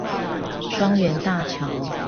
雙園大橋